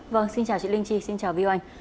vâng xin chào chị linh chi xin chào vi anh